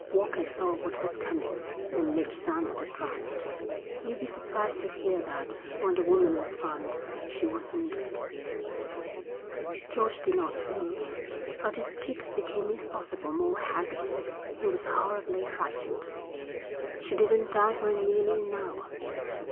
Walker saw what was coming and looked down at the ground. 'You'll be surprised to hear that when the woman was found she wasn't dead.' George did not move, but his cheeks became if possible more haggard. He was horribly frightened. 'She didn't die for nearly an hour.'